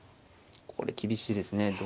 これ厳しいですね。